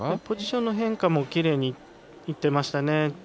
ポジションの変化もきれいにいっていましたね。